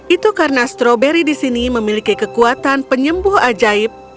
itu karena stroberi di sini memiliki kekuatan penyembuh ajaib